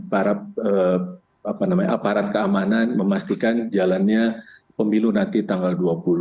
para aparat keamanan memastikan jalannya pemilu nanti tanggal dua puluh